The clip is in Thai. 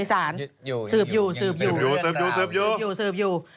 สืบอยู่